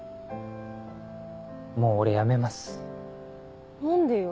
もう俺辞めます。